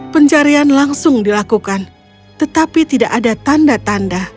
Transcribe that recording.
pencarian langsung dilakukan tetapi tidak ada tanda tanda